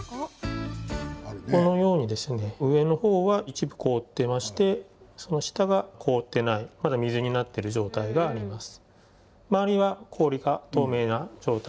このようにですね上の方は一部、凍ってましてその下が凍ってないまだ水になっている状態があります。